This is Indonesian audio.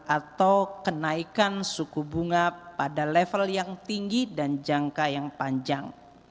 atau kenaikan suku bunga pada level yang tinggi dan jangka yang panjang